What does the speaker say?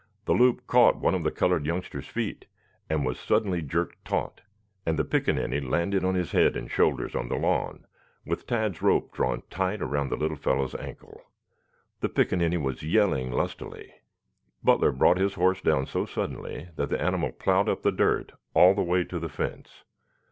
The loop caught one of the colored youngster's feet and was suddenly jerked taut, and the pickaninny landed on his head and shoulders on the lawn with Tad's rope drawn tight around the little fellow's ankle. The pickaninny was yelling lustily. Butler brought his horse down so suddenly that the animal plowed up the dirt all the way to the fence.